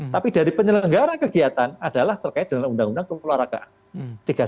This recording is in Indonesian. tapi dari penyelenggara kegiatan adalah terkait dengan undang undang kekeluargaan